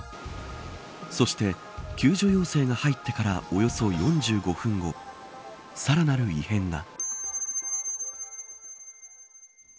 そして、救助要請が入ってからおよそ４５分後さらなる異変が。